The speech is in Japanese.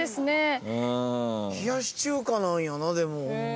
冷やし中華なんやなでも。